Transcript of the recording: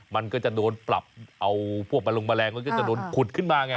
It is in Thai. มันก็จะโดนปรับเอาพวกแมลงแมลงมันก็จะโดนขุดขึ้นมาไง